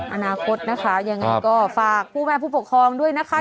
อนาคตนะคะยังไงก็ฝากผู้แม่ผู้ปกครองด้วยนะคะ